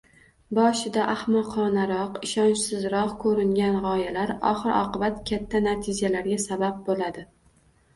Boshida ahmoqonaroq, ishonchsizroq koʻringan gʻoyalar oxir-oqibat katta natijalarga sabab boʻladi